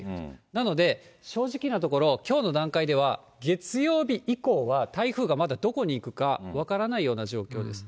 なので、正直なところ、きょうの段階では、月曜日以降は台風がまだどこに行くか、分からないような状況です。